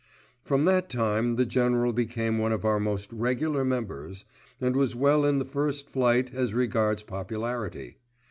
From that time the General became one of our most regular members, and was well in the first flight as regards popularity.